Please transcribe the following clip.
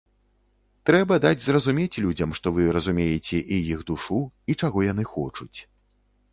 Трэба даць зразумець людзям, што вы разумееце і іх душу, і чаго яны хочуць.